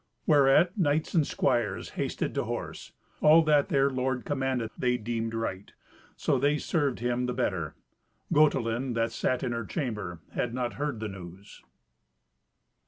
Whereat knights and squires hasted to horse. All that their lord commanded they deemed right; so they served him the better. Gotelind, that sat in her chamber, had not heard the news.